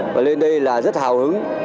và lên đây là rất hào hứng